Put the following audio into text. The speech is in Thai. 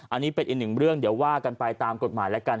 อันนี้เป็นอีกหนึ่งเรื่องเดี๋ยวว่ากันไปตามกฎหมายแล้วกัน